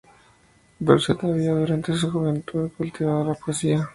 Dorset había durante su juventud cultivado la poesía.